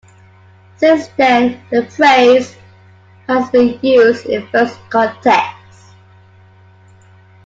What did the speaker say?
Since then the phrase has been used in various contexts.